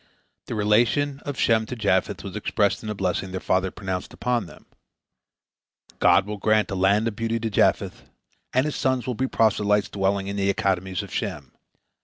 The relation of Shem to Japheth was expressed in the blessing their father pronounced upon them: God will grant a land of beauty to Japheth, and his sons will be proselytes dwelling in the academies of Shem.